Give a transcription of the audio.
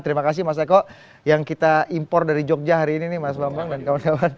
terima kasih mas eko yang kita impor dari jogja hari ini nih mas bambang dan kawan kawan